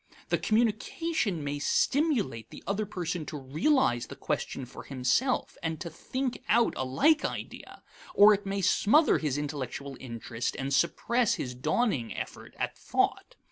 The communication may stimulate the other person to realize the question for himself and to think out a like idea, or it may smother his intellectual interest and suppress his dawning effort at thought.